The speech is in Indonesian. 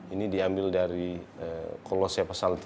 ini diambil dari kolose pesan